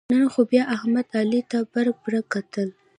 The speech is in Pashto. نن خو بیا احمد علي ته برگ برگ کتل.